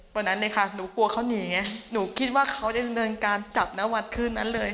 วันนั้นหนูกลัวเขาหนีไงหนูคิดว่าเขาจะจัดเงินการจับน้ำวัดคืนนั้นเลย